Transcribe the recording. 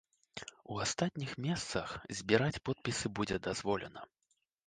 У астатніх месцах збіраць подпісы будзе дазволена.